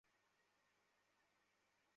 ঘর খুব ভালো আপনার।